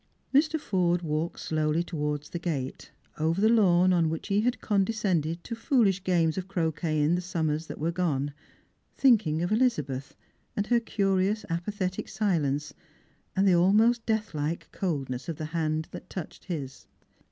Mr. Forde walked slowly towards the gate, over the lawn on which he had condescended to foolish games of croquet in the summers that were gone, thinking of Elizabeth, and her curious apathetic silence, and the almost deathlike cold ness of the hand that had touched his.